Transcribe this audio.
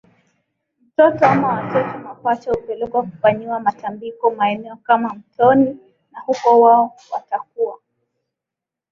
mtoto ama watoto mapacha hupelekwa kufanyiwa matambiko maeneo kama mtoni na huko wao watakuwa